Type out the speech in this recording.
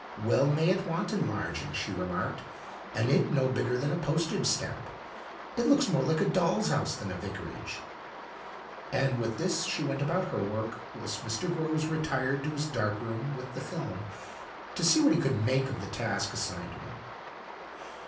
" Well may it want enlarging," she remarked, " and it no bigger than a postage stamp; it looks more like a doll's house than a vicarage," and with this she went about her work, whilst Mr. Groves retired to his dark room with the film, to see what he could make of the task assigned to him.